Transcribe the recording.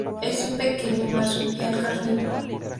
Es un pequeño marsupial carnívoro.